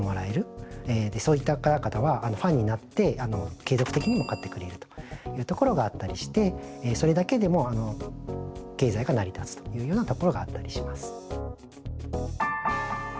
でそういった方々はファンになって継続的にも買ってくれるというところがあったりしてそれだけでも経済が成り立つというようなところがあったりします。